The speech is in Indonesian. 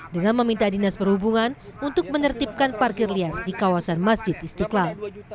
dengan meminta dinas perhubungan untuk menertibkan parkir liar di kawasan masjid istiqlal